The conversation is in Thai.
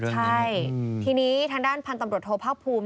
ใช่ทีนี้ทางด้านพันธุ์ตำรวจโทภาคภูมิ